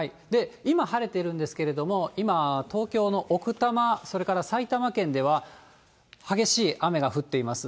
今晴れているんですけれども、今、東京の奥多摩、それから埼玉県では激しい雨が降っています。